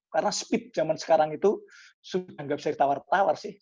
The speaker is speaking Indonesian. karena speed zaman sekarang itu sudah nggak bisa ditawar tawar sih